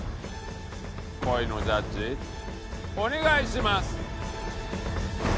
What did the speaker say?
恋のジャッジお願いします。